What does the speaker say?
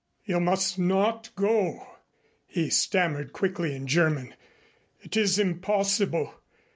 "You must not go," he stammered quickly in German. "It is impossible.